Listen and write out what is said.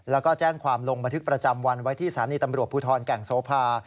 แล้วก็แจ้งความลงบันทึกประจำวันไว้ที่สถานีตำรวจภูทรแก่งโสภา